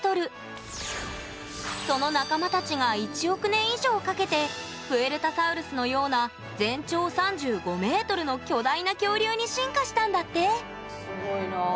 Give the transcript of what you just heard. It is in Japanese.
その仲間たちが１億年以上かけてプエルタサウルスのような全長３５ｍの巨大な恐竜に進化したんだって！